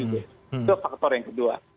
itu faktor yang kedua